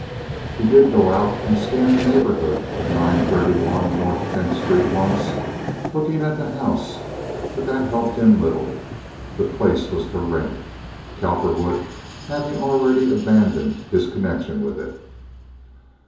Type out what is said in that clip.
He did go out and scan the neighborhood of 931 North Tenth Street once, looking at the house; but that helped him little. The place was for rent, Cowperwood having already abandoned his connection with it.